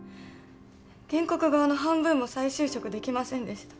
原告側の半分も再就職できませんでした。